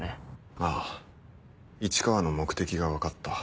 ああ市川の目的が分かった。